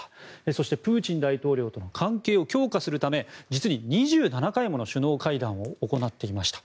そして、プーチン大統領との関係を強化するため実に２７回もの首脳会談を行っていました。